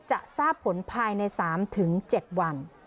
จะทราบผลภายใน๓๗วัน